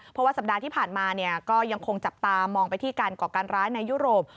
เพราะว่าสัปดาห์ที่ผ่านมาก็ยังคงจับตามองไปที่การก่อการร้ายในยุโรป